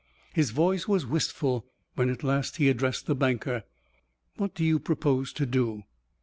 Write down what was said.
His voice was wistful when, at last, he addressed the banker. "What do you propose to do?"